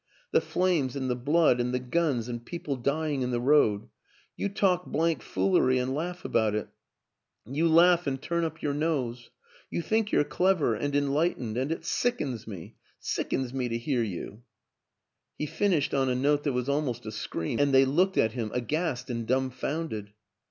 The flames and the blood and the guns and people dying in the road. You talk blank foolery and laugh about it you laugh and turn up your nose. You think you're clever and enlightened and it sickens me, sickens me to hear you! " 224 WILLIAM AN ENGLISHMAN He finished on a note that was almost a scream, and they looked at him aghast and dumfounded.